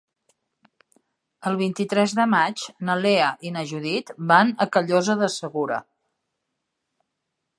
El vint-i-tres de maig na Lea i na Judit van a Callosa de Segura.